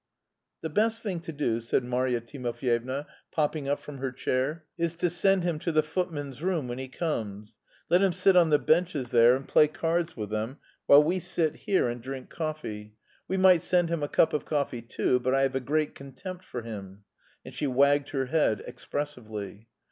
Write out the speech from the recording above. "The best thing to do," said Marya Timofyevna, popping up from her chair, "is to send him to the footmen's room when he comes. Let him sit on the benches there and play cards with them while we sit here and drink coffee. We might send him a cup of coffee too, but I have a great contempt for him." And she wagged her head expressively.